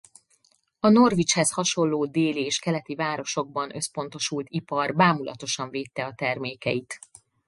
A Norwichhez hasonló déli és keleti városokban összpontosult ipar bámulatosan védte a termékeit.